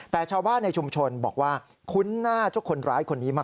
แต่ชาวบ้านในชุมชนบอกว่าคุ้นหน้าเจ้าคนร้ายคนนี้มาก